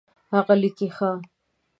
هغه لیکي ښه